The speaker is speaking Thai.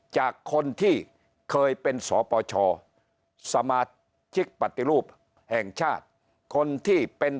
จากคนที่เคยเป็นสปชสมาชิกปฏิรูปแห่งชาติคนที่เป็น